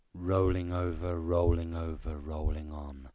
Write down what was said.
Chorus. Rolling over, rolling over, rolling on.